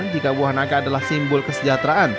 jika buah naga adalah simbol kesejahteraan